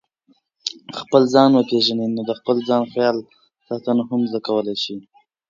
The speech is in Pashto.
خپل ځان وپېژنئ نو د خپل ځان خیال ساتنه هم زده کولای شئ.